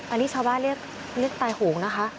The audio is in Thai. อันนี้ชาวบ้านเรียกตายโหงนะคะ